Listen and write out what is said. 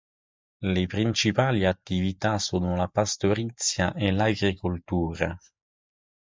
Le principali attività sono la pastorizia e l'agricoltura.